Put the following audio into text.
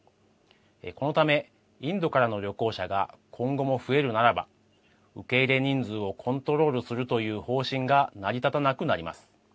このためインドからの旅行者が今後も増えるならば受け入れ人数をコントロールするという方針が成り立たなくなります。